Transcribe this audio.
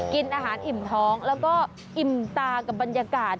กินอาหารอิ่มท้องแล้วก็อิ่มตากับบรรยากาศ